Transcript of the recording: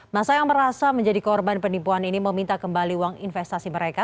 masa yang merasa menjadi korban penipuan ini meminta kembali uang investasi mereka